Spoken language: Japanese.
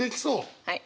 はい。